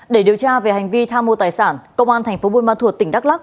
để điều tra về hành vi tham mô tài sản công an tp bun ma thuột tỉnh đắk lắc